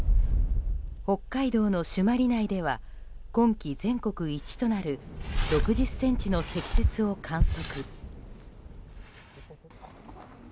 北海道の朱鞠内では今季全国一となる６０ｃｍの積雪を観測。